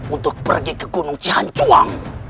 untuk pergi ke gunung cihancuang